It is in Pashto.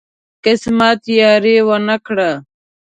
قسمت یاري ونه کړه.